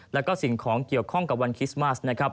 แล้วก็สิ่งของเกี่ยวข้องกับวันคริสต์มาสนะครับ